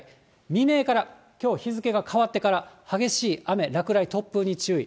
未明からきょう日付が変わってから、激しい雨、落雷、突風に注意。